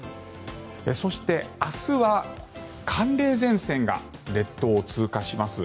そして、明日は寒冷前線が列島を通過します。